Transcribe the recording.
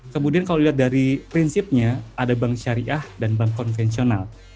kemudian kalau dilihat dari prinsipnya ada bank syariah dan bank konvensional